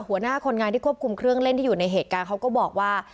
หัวหน้าคนงานที่ควบคุมเครื่องเล่นที่อยู่ในเหตุการณ์เขาก็บอกว่า